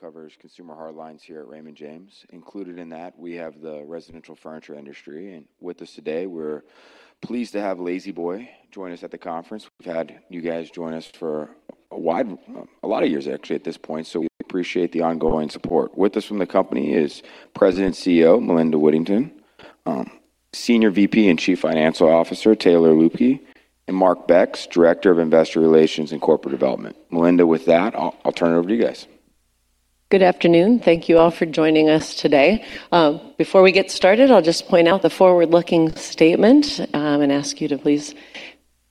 Who covers consumer hardlines here at Raymond James. Included in that, we have the residential furniture industry, with us today, we're pleased to have La-Z-Boy join us at the conference. We've had you guys join us for a lot of years actually at this point, we appreciate the ongoing support. With us from the company is President and CEO, Melinda Whittington, Senior VP and Chief Financial Officer, Taylor Luebke, and Mark Becks, Director of Investor Relations and Corporate Development. Melinda, with that, I'll turn it over to you guys. Good afternoon. Thank you all for joining us today. Before we get started, I'll just point out the forward-looking statement, and ask you to please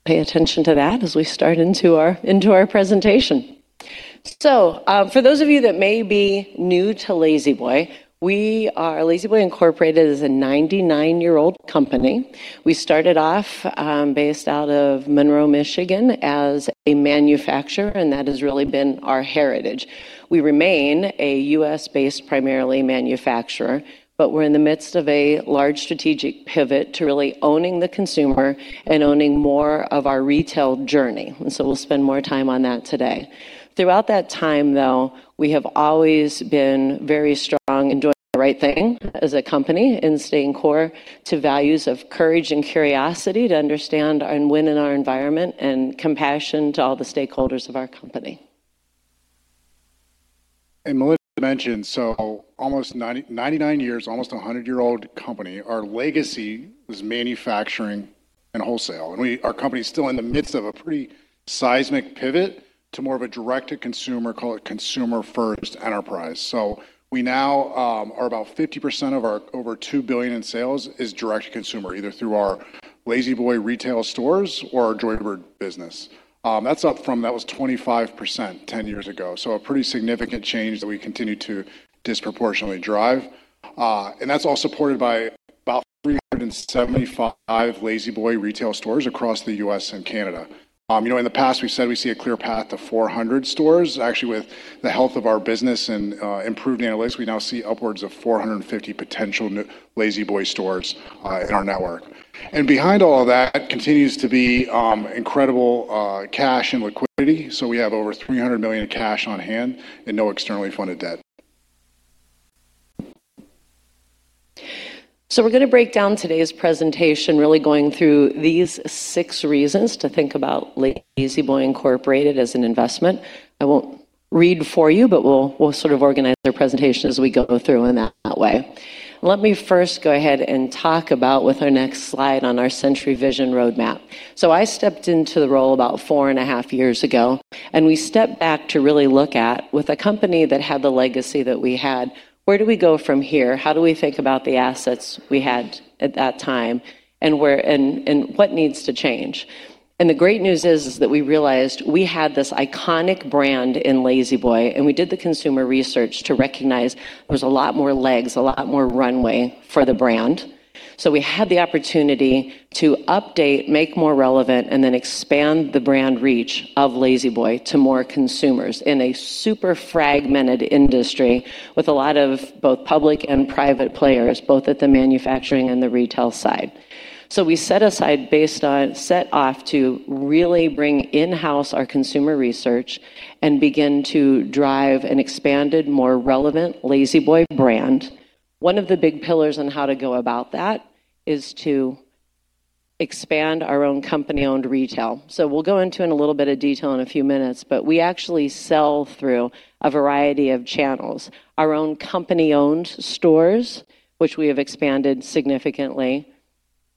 pay attention to that as we start into our presentation. For those of you that may be new to La-Z-Boy, La-Z-Boy Incorporated is a 99-year-old company. We started off based out of Monroe, Michigan, as a manufacturer, and that has really been our heritage. We remain a U.S.-based primarily manufacturer, but we're in the midst of a large strategic pivot to really owning the consumer and owning more of our retail journey. We'll spend more time on that today. Throughout that time, though, we have always been very strong, enjoying the right thing as a company and staying core to values of courage and curiosity to understand and win in our environment and compassion to all the stakeholders of our company. Melinda mentioned, almost 99 years, almost a 100-year-old company. Our legacy was manufacturing and wholesale. Our company is still in the midst of a pretty seismic pivot to more of a direct-to-consumer, call it consumer-first enterprise. We now are about 50% of our over $2 billion in sales is direct to consumer, either through our La-Z-Boy retail stores or our Joybird business. That was 25% 10 years ago. A pretty significant change that we continue to disproportionately drive. That's all supported by about 375 La-Z-Boy retail stores across the U.S. and Canada. You know, in the past, we said we see a clear path to 400 stores. Actually, with the health of our business and improved analytics, we now see upwards of 450 potential new La-Z-Boy stores in our network. Behind all that continues to be incredible cash and liquidity. We have over $300 million cash on hand and no externally funded debt. We're gonna break down today's presentation, really going through these six reasons to think about La-Z-Boy Incorporated as an investment. I won't read for you, but we'll sort of organize their presentation as we go through in that way. Let me first go ahead and talk about with our next slide on our Century Vision roadmap. I stepped into the role about four and a half years ago, and we stepped back to really look at with a company that had the legacy that we had. Where do we go from here? How do we think about the assets we had at that time and what needs to change? The great news is that we realized we had this iconic brand in La-Z-Boy, and we did the consumer research to recognize there was a lot more legs, a lot more runway for the brand. We had the opportunity to update, make more relevant, and then expand the brand reach of La-Z-Boy to more consumers in a super fragmented industry with a lot of both public and private players, both at the manufacturing and the retail side. We set off to really bring in-house our consumer research and begin to drive an expanded, more relevant La-Z-Boy brand. One of the big pillars on how to go about that is to expand our own company-owned retail. We'll go into in a little bit of detail in a few minutes, but we actually sell through a variety of channels. Our own company-owned stores, which we have expanded significantly.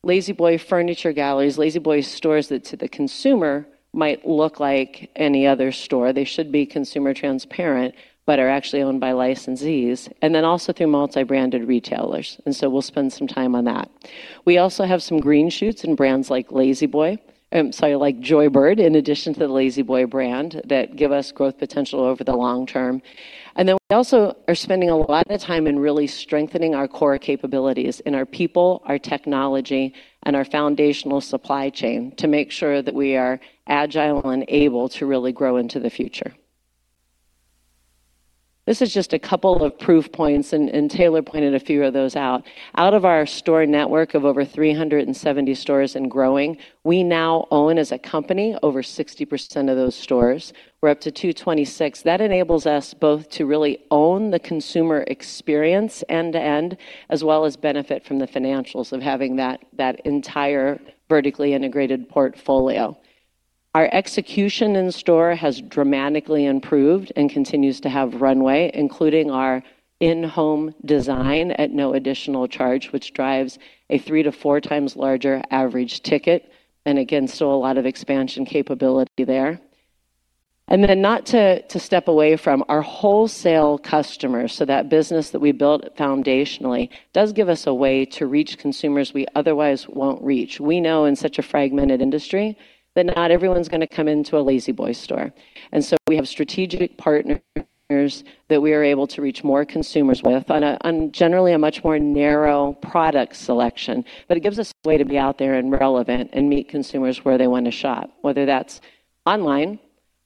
La-Z-Boy Furniture Galleries, La-Z-Boy stores that to the consumer might look like any other store. They should be consumer transparent, but are actually owned by licensees, also through multi-branded retailers. We'll spend some time on that. We also have some green shoots in brands like La-Z-Boy. Sorry, like Joybird, in addition to the La-Z-Boy brand that give us growth potential over the long term. We also are spending a lot of time in really strengthening our core capabilities in our people, our technology, and our foundational supply chain to make sure that we are agile and able to really grow into the future. This is just a couple of proof points, and Taylor pointed a few of those out. Out of our store network of over 370 stores and growing, we now own as a company over 60% of those stores. We're up to 226. That enables us both to really own the consumer experience end-to-end as well as benefit from the financials of having that entire vertically integrated portfolio. Our execution in store has dramatically improved and continues to have runway, including our In-Home Design at no additional charge, which drives a 3x-4x larger average ticket. Again, still a lot of expansion capability there. Not to step away from our wholesale customers, that business that we built foundationally does give us a way to reach consumers we otherwise won't reach. We know in such a fragmented industry that not everyone's gonna come into a La-Z-Boy store. We have strategic partners that we are able to reach more consumers with on a generally a much more narrow product selection. It gives us a way to be out there and relevant and meet consumers where they want to shop. Whether that's online,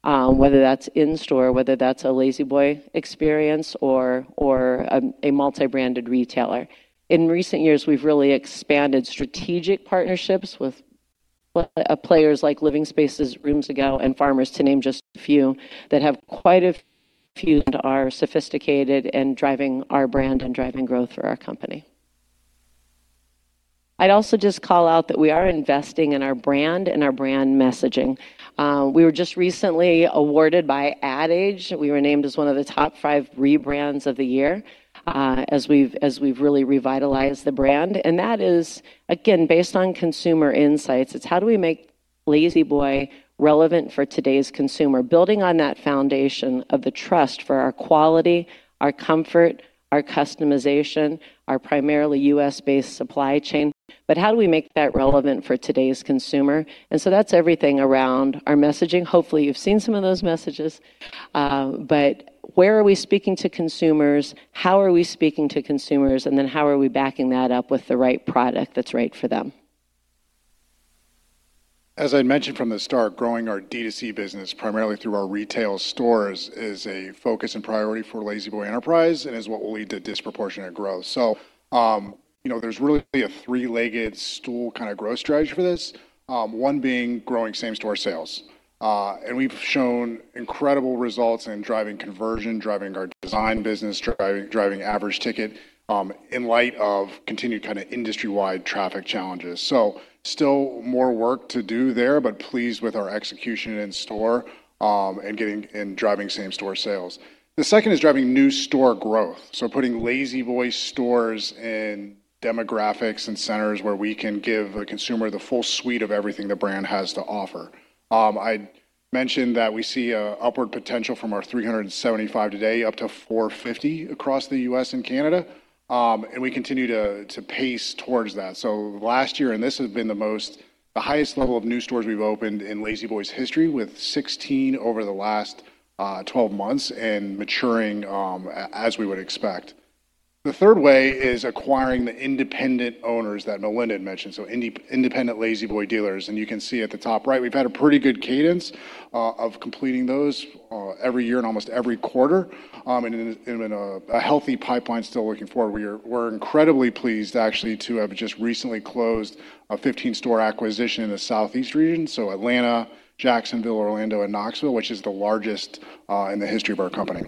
whether that's in-store, whether that's a La-Z-Boy experience or a multi-branded retailer. In recent years, we've really expanded strategic partnerships with players like Living Spaces, Rooms To Go, and Farmers, to name just a few, that have quite a few and are sophisticated and driving our brand and driving growth for our company. I'd also just call out that we are investing in our brand and our brand messaging. We were just recently awarded by Ad Age. We were named as one of the top five rebrands of the year as we've really revitalized the brand. That is, again, based on consumer insights. It's how do we make La-Z-Boy relevant for today's consumer, building on that foundation of the trust for our quality, our comfort, our customization, our primarily U.S.-based supply chain, but how do we make that relevant for today's consumer? That's everything around our messaging. Hopefully, you've seen some of those messages. Where are we speaking to consumers, how are we speaking to consumers, how are we backing that up with the right product that's right for them. As I mentioned from the start, growing our D2C business, primarily through our retail stores, is a focus and priority for La-Z-Boy Enterprise and is what will lead to disproportionate growth. You know, there's really a three-legged stool kind of growth strategy for this, one being growing same-store sales. We've shown incredible results in driving conversion, driving our design business, driving average ticket, in light of continued kind of industry-wide traffic challenges. Still more work to do there, but pleased with our execution in store, and driving same-store sales. The second is driving new store growth, so putting La-Z-Boy stores in demographics and centers where we can give a consumer the full suite of everything the brand has to offer. I mentioned that we see a upward potential from our 375 today up to 450 across the U.S. and Canada, and we continue to pace towards that. Last year, this has been the highest level of new stores we've opened in La-Z-Boy's history, with 16 over the last 12 months and maturing as we would expect. The third way is acquiring the independent owners that Melinda had mentioned, so independent La-Z-Boy dealers, you can see at the top right, we've had a pretty good cadence of completing those every year and almost every quarter, in a healthy pipeline still looking forward. We're incredibly pleased actually to have just recently closed a 15-store acquisition in the Southeast region, so Atlanta, Jacksonville, Orlando, and Knoxville, which is the largest in the history of our company.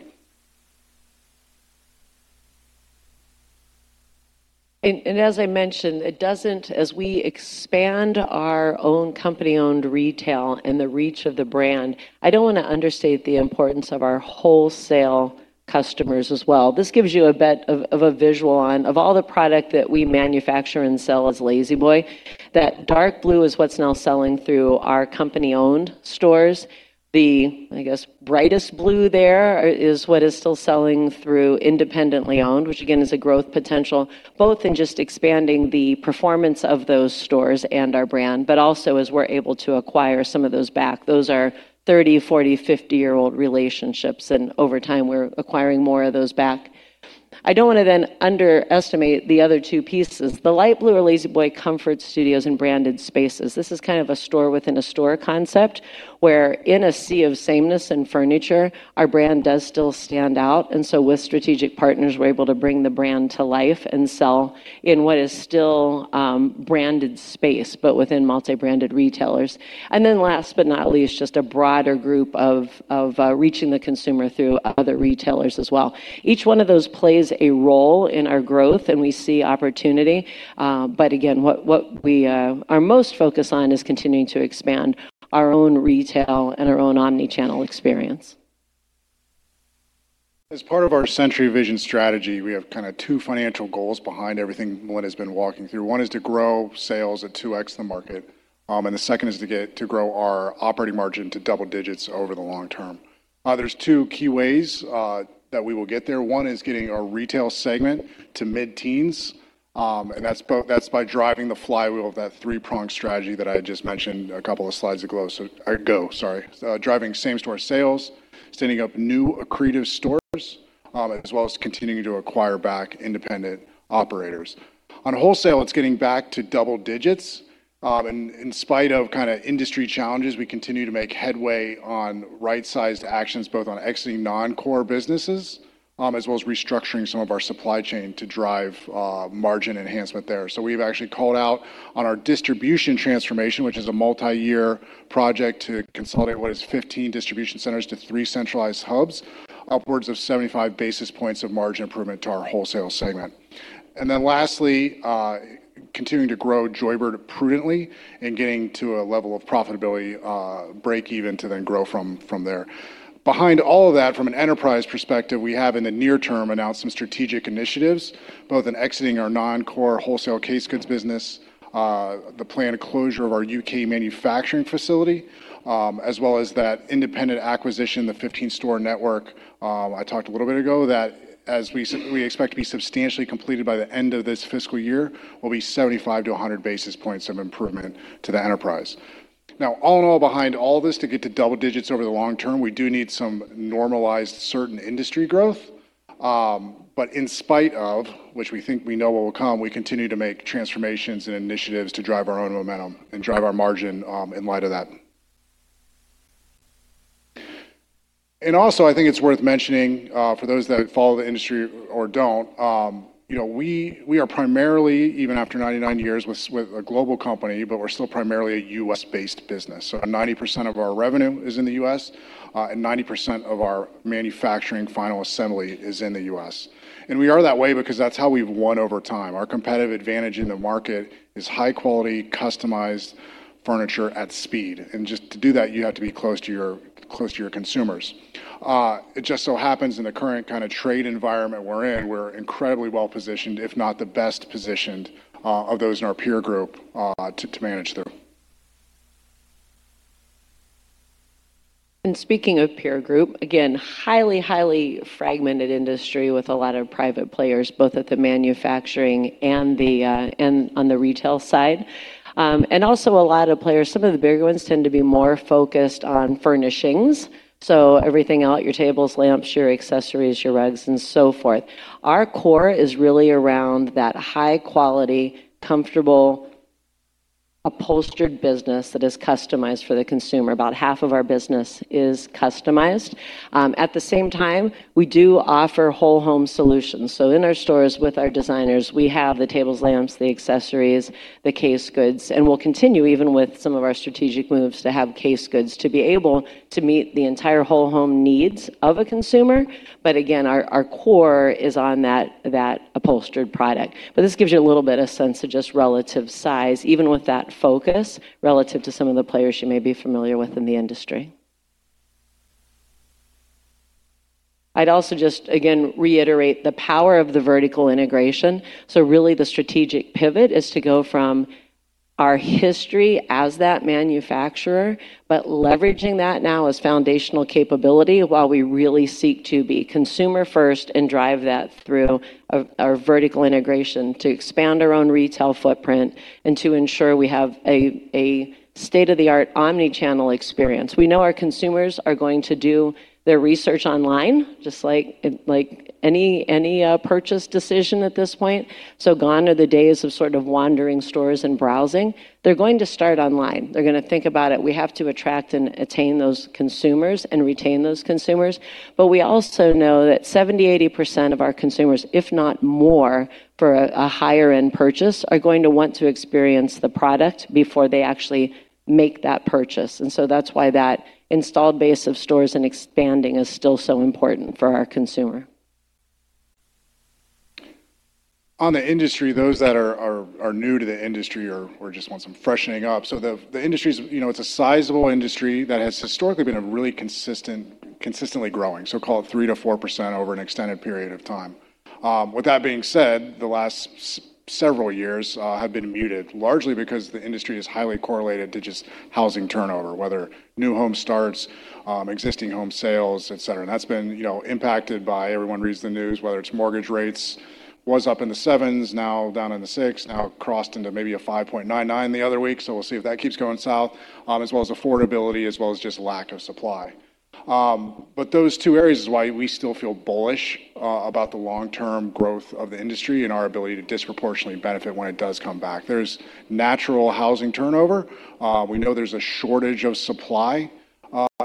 As I mentioned, as we expand our own company-owned retail and the reach of the brand, I don't wanna understate the importance of our wholesale customers as well. This gives you a bit of a visual on of all the product that we manufacture and sell as La-Z-Boy, that dark blue is what's now selling through our company-owned stores. The, I guess, brightest blue there is what is still selling through independently owned, which again, is a growth potential both in just expanding the performance of those stores and our brand. Also as we're able to acquire some of those back, those are 30, 40, 50-year-old relationships, and over time, we're acquiring more of those back. I don't wanna then underestimate the other two pieces. The light blue are La-Z-Boy Comfort Studio and Branded Spaces. This is kind of a store-within-a-store concept, where in a sea of sameness and furniture, our brand does still stand out. With strategic partners, we're able to bring the brand to life and sell in what is still, branded space, but within multi-branded retailers. Last but not least, just a broader group of reaching the consumer through other retailers as well. Each one of those plays a role in our growth, and we see opportunity, but again, what we are most focused on is continuing to expand our own retail and our own omni-channel experience. As part of our Century Vision strategy, we have kinda two financial goals behind everything Melinda has been walking through. One is to grow sales at 2x the market, and the second is to grow our operating margin to double-digits over the long term. There's two key ways that we will get there. One is getting our retail segment to mid-teens, and that's by driving the flywheel of that three-pronged strategy that I just mentioned a couple of slides ago. Driving same-store sales, standing up new accretive stores, as well as continuing to acquire back independent operators. On wholesale, it's getting back to double digits, and in spite of kinda industry challenges, we continue to make headway on right-sized actions, both on exiting non-core businesses, as well as restructuring some of our supply chain to drive margin enhancement there. We've actually called out on our distribution transformation, which is a multi-year project to consolidate what is 15 distribution centers to three centralized hubs, upwards of 75 basis points of margin improvement to our wholesale segment. Lastly, continuing to grow Joybird prudently and getting to a level of profitability, breakeven to then grow from there. Behind all of that, from an enterprise perspective, we have in the near term announced some strategic initiatives, both in exiting our non-core wholesale case goods business, the planned closure of our U.K. manufacturing facility, as well as that independent acquisition, the 15-store network, I talked a little bit ago, that as we expect to be substantially completed by the end of this fiscal year, will be 75-100 basis points of improvement to the enterprise. Now, all in all, behind all this, to get to double digits over the long term, we do need some normalized certain industry growth, but in spite of which we think we know will come, we continue to make transformations and initiatives to drive our own momentum and drive our margin in light of that. Also, I think it's worth mentioning, for those that follow the industry or don't, you know, we are primarily, even after 99 years, with a global company, but we're still primarily a U.S.-based business. 90% of our revenue is in the U.S., and 90% of our manufacturing final assembly is in the U.S. We are that way because that's how we've won over time. Our competitive advantage in the market is high-quality, customized furniture at speed. Just to do that, you have to be close to your consumers. It just so happens in the current kind of trade environment we're in, we're incredibly well-positioned, if not the best positioned, of those in our peer group, to manage through. Speaking of peer group, again, highly fragmented industry with a lot of private players, both at the manufacturing and the and on the retail side. And also a lot of players, some of the bigger ones tend to be more focused on furnishings. Everything out, your tables, lamps, your accessories, your rugs, and so forth. Our core is really around that high quality, comfortable, upholstered business that is customized for the consumer. About half of our business is customized. At the same time, we do offer whole home solutions. In our stores with our designers, we have the tables, lamps, the accessories, the case goods, and we'll continue even with some of our strategic moves to have case goods to be able to meet the entire whole home needs of a consumer. Again, our core is on that upholstered product. This gives you a little bit of sense of just relative size, even with that focus relative to some of the players you may be familiar with in the industry. I'd also just again reiterate the power of the vertical integration. really the strategic pivot is to go from our history as that manufacturer, but leveraging that now as foundational capability while we really seek to be consumer first and drive that through our vertical integration to expand our own retail footprint and to ensure we have a state-of-the-art omni-channel experience. We know our consumers are going to do their research online just like any purchase decision at this point. gone are the days of sort of wandering stores and browsing. They're going to start online. They're gonna think about it. We have to attract and attain those consumers and retain those consumers. We also know that 70%, 80% of our consumers, if not more, for a higher end purchase, are going to want to experience the product before they actually make that purchase. That's why that installed base of stores and expanding is still so important for our consumer. On the industry, those that are new to the industry or just want some freshening up. The industry's, you know, it's a sizable industry that has historically been a really consistent, consistently growing, so call it 3% to 4% over an extended period of time. With that being said, the last several years have been muted largely because the industry is highly correlated to just housing turnover, whether new home starts, existing home sales, et cetera. That's been, you know, impacted by everyone reads the news, whether it's mortgage rates was up in the 7s, now down in the 6s, now crossed into maybe a 5.99 the other week. We'll see if that keeps going south, as well as affordability, as well as just lack of supply. But those two areas is why we still feel bullish about the long-term growth of the industry and our ability to disproportionately benefit when it does come back. There's natural housing turnover. We know there's a shortage of supply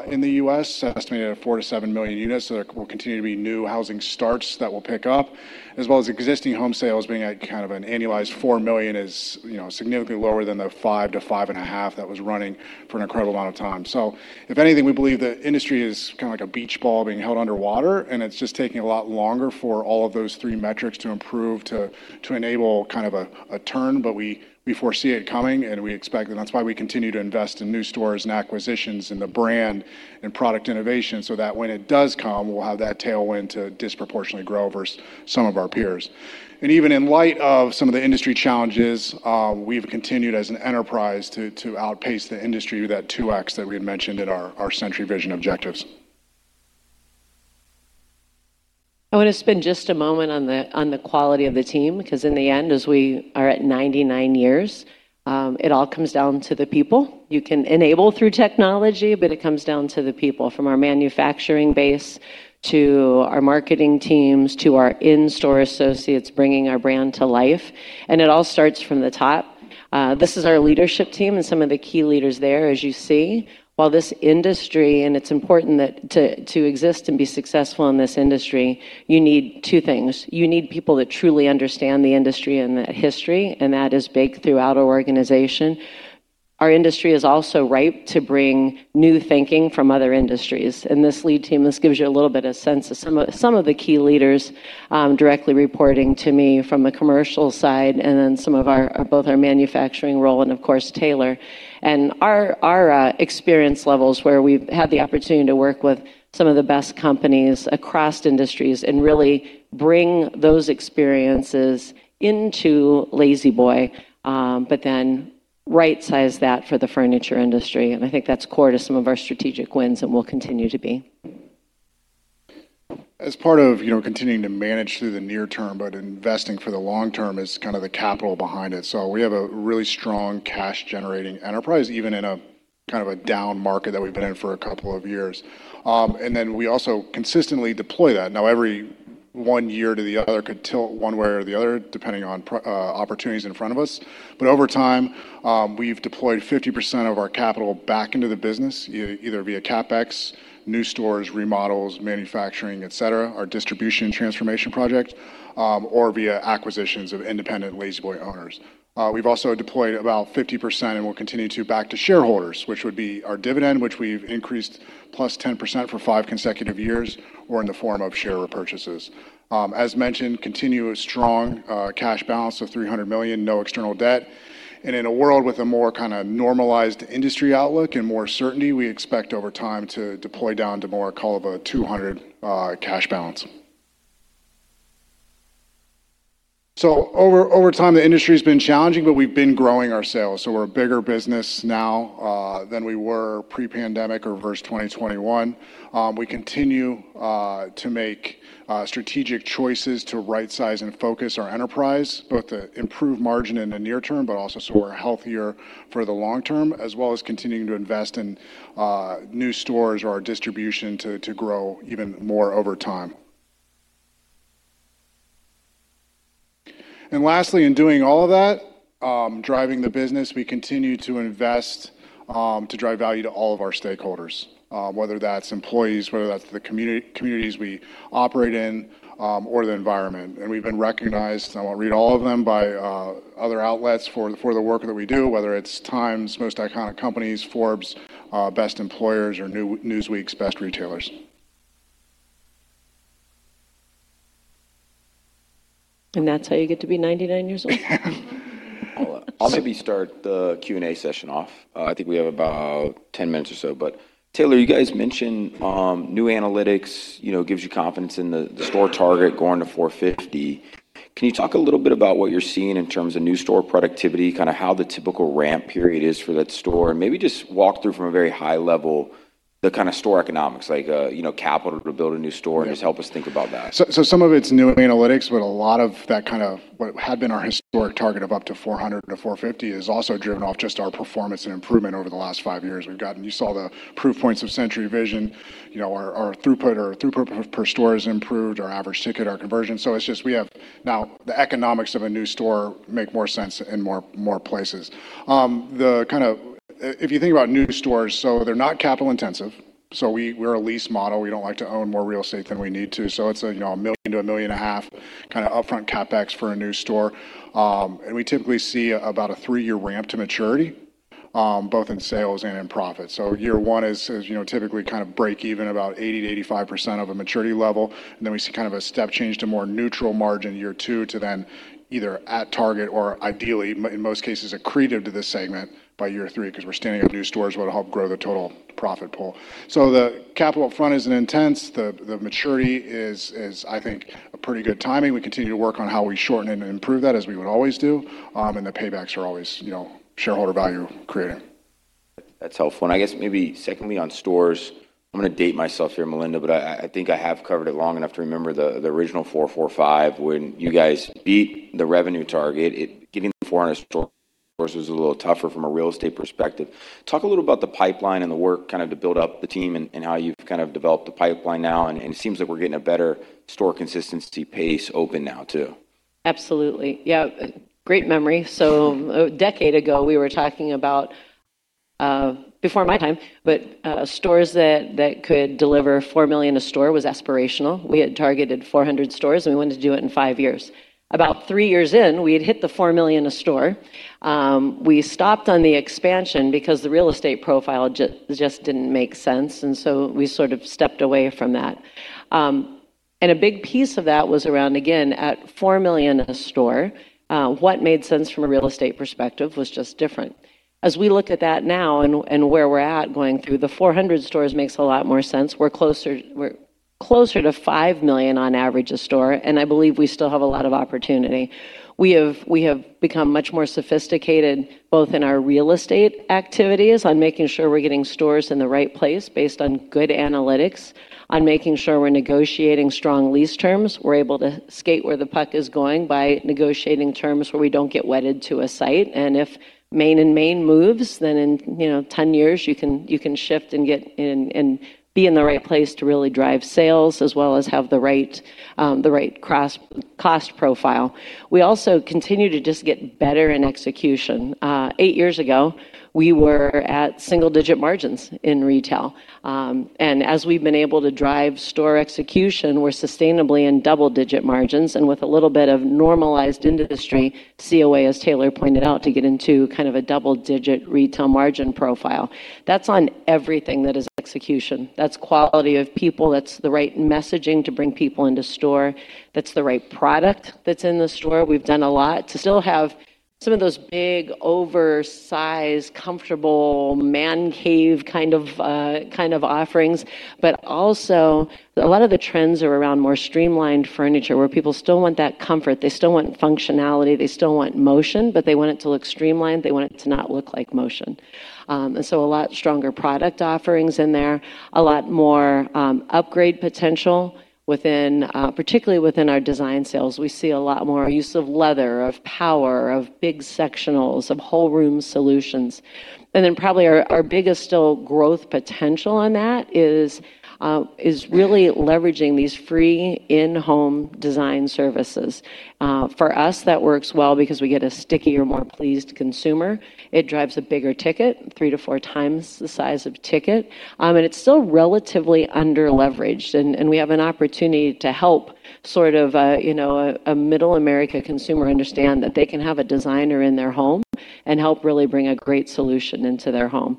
in the U.S., estimated at 4 million-7 million units. There will continue to be new housing starts that will pick up, as well as existing home sales being at kind of an annualized 4 million is, you know, significantly lower than the 5 million-5.5 million that was running for an incredible amount of time. If anything, we believe the industry is kinda like a beach ball being held under water, and it's just taking a lot longer for all of those three metrics to improve to enable kind of a turn. We foresee it coming, and we expect that that's why we continue to invest in new stores and acquisitions in the brand and product innovation, so that when it does come, we'll have that tailwind to disproportionately grow versus some of our peers. Even in light of some of the industry challenges, we've continued as an enterprise to outpace the industry with that 2x that we had mentioned at our Century Vision objectives. I wanna spend just a moment on the quality of the team, because in the end, as we are at 99 years, it all comes down to the people. You can enable through technology, it comes down to the people from our manufacturing base to our marketing teams, to our in-store associates bringing our brand to life, it all starts from the top. This is our leadership team, some of the key leaders there, as you see. While this industry, it's important that to exist and be successful in this industry, you need two things. You need people that truly understand the industry and the history, that is baked throughout our organization. Our industry is also ripe to bring new thinking from other industries. This lead team, this gives you a little bit of sense of some of the key leaders directly reporting to me from the commercial side and then both our manufacturing role and of course, Taylor. Our experience levels where we've had the opportunity to work with some of the best companies across industries and really bring those experiences into La-Z-Boy, right-size that for the furniture industry. I think that's core to some of our strategic wins and will continue to be. As part of, you know, continuing to manage through the near term, but investing for the long term is kind of the capital behind it. We have a really strong cash-generating enterprise, even in a kind of a down market that we've been in for a couple of years. We also consistently deploy that. Now one year to the other could tilt one way or the other, depending on opportunities in front of us. Over time, we've deployed 50% of our capital back into the business, either via CapEx, new stores, remodels, manufacturing, et cetera, our distribution transformation project, or via acquisitions of independent La-Z-Boy owners. We've also deployed about 50%, and we'll continue to back to shareholders, which would be our dividend, which we've increased plus 10% for five consecutive years, or in the form of share repurchases. As mentioned, continuous strong cash balance of $300 million, no external debt. In a world with a more kinda normalized industry outlook and more certainty, we expect over time to deploy down to more call of a $200 million cash balance. Over time, the industry's been challenging, but we've been growing our sales. We're a bigger business now than we were pre-pandemic or versus 2021. We continue to make strategic choices to rightsize and focus our enterprise, both to improve margin in the near term, but also so we're healthier for the long term, as well as continuing to invest in new stores or our distribution to grow even more over time. Lastly, in doing all of that, driving the business, we continue to invest to drive value to all of our stakeholders, whether that's employees, whether that's the communities we operate in, or the environment. We've been recognized, and I won't read all of them, by other outlets for the work that we do, whether it's TIME's Most Iconic Companies, Forbes Best Employers, or Newsweek's Best Retailers. That's how you get to be 99 years old. I'll maybe start the Q&A session off. I think we have about 10 minutes or so. Taylor, you guys mentioned, new analytics, you know, gives you confidence in the store target going to 450. Can you talk a little bit about what you're seeing in terms of new store productivity, kinda how the typical ramp period is for that store? Maybe just walk through from a very high level the kinda store economics, like, you know, capital to build a new store, and just help us think about that. Some of it's new analytics, but a lot of that kind of what had been our historic target of up to 400-450 is also driven off just our performance and improvement over the last five years. You saw the proof points of Century Vision. You know, our throughput per store has improved, our average ticket, our conversion. It's just we have now the economics of a new store make more sense in more places. The kind of if you think about new stores, they're not capital-intensive. We're a lease model. We don't like to own more real estate than we need to. It's a, you know, $1 million-$1.5 million kind of upfront CapEx for a new store. We typically see about a three-year ramp to maturity, both in sales and in profit. Year one is, you know, typically kind of break even, about 80%-85% of a maturity level. We see kind of a step change to more neutral margin year two to then either at target or ideally, in most cases, accretive to this segment by year three, 'cause we're standing up new stores will help grow the total profit pool. The capital upfront isn't intense. The maturity is, I think, a pretty good timing. We continue to work on how we shorten it and improve that, as we would always do. The paybacks are always, you know, shareholder value creating. That's helpful. I guess maybe secondly on stores, I'm gonna date myself here, Melinda, but I think I have covered it long enough to remember the original 445. When you guys beat the revenue target, getting the 400 store, of course, was a little tougher from a real estate perspective. Talk a little about the pipeline and the work kind of to build up the team and how you've kind of developed the pipeline now, and it seems like we're getting a better store consistency pace open now too. Absolutely. Yeah. Great memory. A decade ago, we were talking about, before my time, stores that could deliver $4 million a store was aspirational. We had targeted 400 stores, we wanted to do it in five years. About three years in, we had hit the $4 million a store. We stopped on the expansion because the real estate profile just didn't make sense, we sort of stepped away from that. A big piece of that was around, again, at $4 million a store, what made sense from a real estate perspective was just different. As we look at that now and where we're at going through, the 400 stores makes a lot more sense. We're closer to $5 million on average a store, I believe we still have a lot of opportunity. We have become much more sophisticated, both in our real estate activities, on making sure we're getting stores in the right place based on good analytics, on making sure we're negotiating strong lease terms. We're able to skate where the puck is going by negotiating terms where we don't get wedded to a site. If Main and Main moves, then in, you know, 10 years, you can shift and get and be in the right place to really drive sales as well as have the right, the right cost profile. We also continue to just get better in execution. Eight years ago, we were at single-digit margins in retail. As we've been able to drive store execution, we're sustainably in double-digit margins, with a little bit of normalized industry COA, as Taylor pointed out, to get into kind of a double-digit retail margin profile. That's on everything that is execution. That's quality of people. That's the right messaging to bring people into store. That's the right product that's in the store. We've done a lot to still have some of those big, oversized, comfortable man cave kind of offerings. A lot of the trends are around more streamlined furniture, where people still want that comfort. They still want functionality. They still want motion, but they want it to look streamlined. They want it to not look like motion. A lot stronger product offerings in there, a lot more upgrade potential within particularly within our design sales. We see a lot more use of leather, of power, of big sectionals, of whole room solutions. Probably our biggest still growth potential on that is really leveraging these free In-Home Design services. For us, that works well because we get a stickier, more pleased consumer. It drives a bigger ticket, 3x-4x the size of ticket. It's still relatively under-leveraged, and we have an opportunity to help sort of, you know, a middle America consumer understand that they can have a designer in their home. Help really bring a great solution into their home.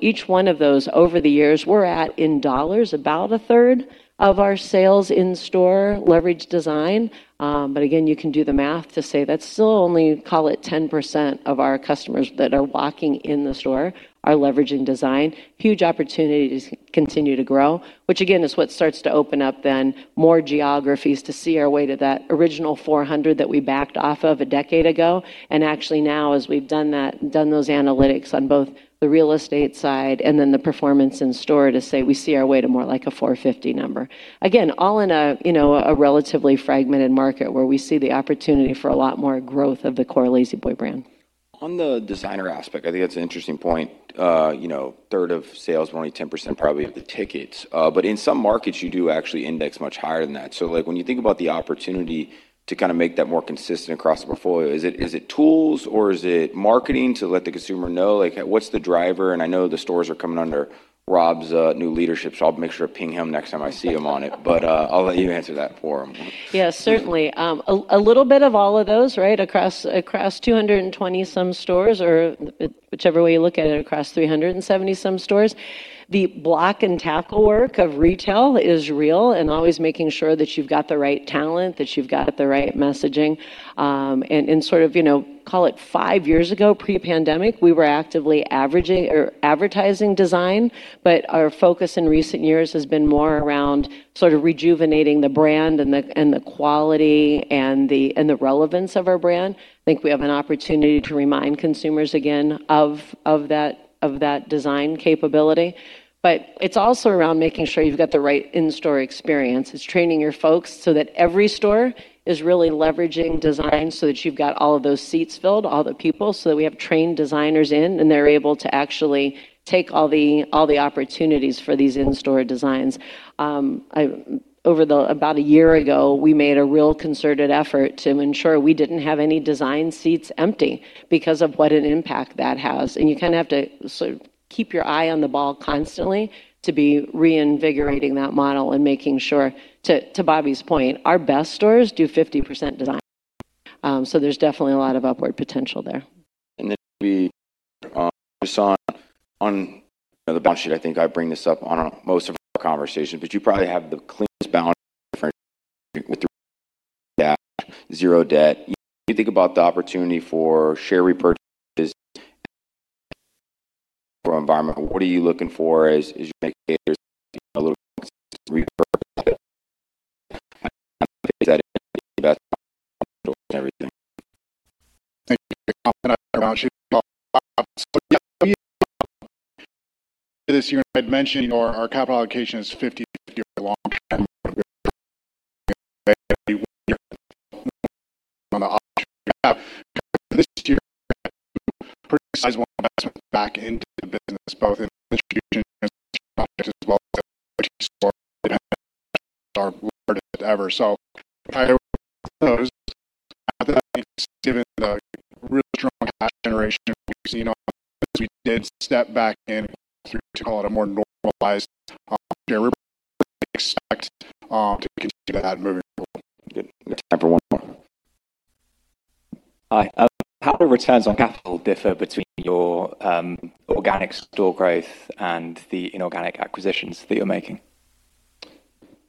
Each one of those over the years, we're at in dollars, about a third of our sales in store leverage design. Again, you can do the math to say that's still only call it 10% of our customers that are walking in the store are leveraging design. Huge opportunity to continue to grow, which again is what starts to open up then more geographies to see our way to that original 400 that we backed off of a decade ago. Now as we've done that, done those analytics on both the real estate side and then the performance in store to say we see our way to more like a 450 number. All in a relatively fragmented market where we see the opportunity for a lot more growth of the core La-Z-Boy brand. On the designer aspect, I think that's an interesting point. you know, 1/3 of sales, but only 10% probably of the tickets. In some markets, you do actually index much higher than that. Like, when you think about the opportunity to kind of make that more consistent across the portfolio, is it, is it tools or is it marketing to let the consumer know? Like, what's the driver? I know the stores are coming under Rob's new leadership, I'll make sure to ping him next time I see him on it. I'll let you answer that for him. Yes, certainly. A little bit of all of those, right? Across 220 some stores or whichever way you look at it, across 370 some stores. The block and tackle work of retail is real and always making sure that you've got the right talent, that you've got the right messaging. Sort of, you know, call it five years ago, pre-pandemic, we were actively averaging or advertising design. Our focus in recent years has been more around sort of rejuvenating the brand and the quality and the relevance of our brand. I think we have an opportunity to remind consumers again of that design capability. It's also around making sure you've got the right in-store experience. It's training your folks so that every store is really leveraging design so that you've got all of those seats filled, all the people, so that we have trained designers in, and they're able to actually take all the opportunities for these in-store designs. About a year ago, we made a real concerted effort to ensure we didn't have any design seats empty because of what an impact that has. You kinda have to sort of keep your eye on the ball constantly to be reinvigorating that model and making sure, to Bobby's point, our best stores do 50% design. There's definitely a lot of upward potential there. We, just on the balance sheet, I think I bring this up on most of our conversations, but you probably have the cleanest balance with zero debt. You think about the opportunity for share repurchases environment, what are you looking for as you make a little repurchase? This year, I'd mentioned our capital allocation is 50-year long term. This year, pretty sizable investment back into the business, both in distribution as well as our. Those, given the real strong cash generation we've seen, as we did step back in to call it a more normalized, share. Expect to continue that moving forward. Good. Time for one more. Hi. How do returns on capital differ between your organic store growth and the inorganic acquisitions that you're making?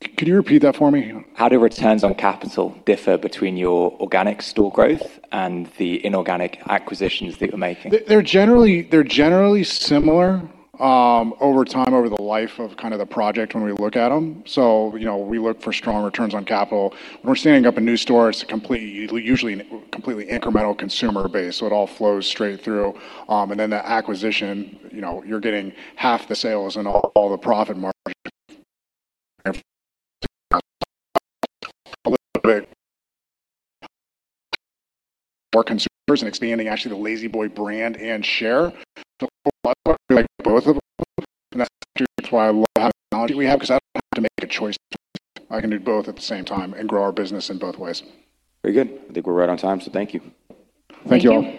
Can you repeat that for me? How do returns on capital differ between your organic store growth and the inorganic acquisitions that you're making? They're generally similar over time, over the life of kinda the project when we look at them. You know, we look for strong returns on capital. When we're standing up a new store, it's usually completely incremental consumer base, so it all flows straight through. The acquisition, you know, you're getting half the sales and all the profit margin. A little bit. More consumers and expanding actually the La-Z-Boy brand and share. Both of them. That's why I love the technology we have, because I don't have to make a choice. I can do both at the same time and grow our business in both ways. Very good. I think we're right on time, so thank you. Thank you all.